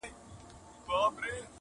نه يوې خوا ته رهي سول ټول سرونه!!